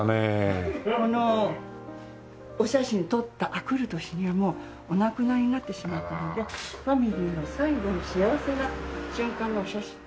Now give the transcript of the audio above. このお写真撮ったあくる年にはもうお亡くなりになってしまったのでファミリーの最後の幸せな瞬間のお写真でしてね。